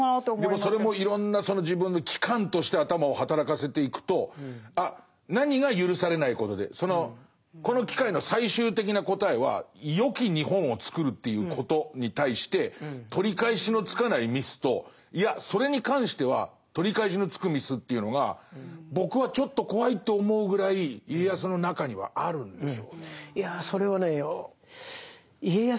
でもそれもいろんなその自分の機関として頭を働かせていくとあ何が許されないことでこの機械の最終的な答えはよき日本を作るということに対して取り返しのつかないミスといやそれに関しては取り返しのつくミスというのが僕はちょっと怖いと思うぐらい家康の中にはあるんでしょうね。